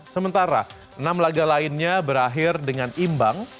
sementara enam laga lainnya berakhir dengan imbang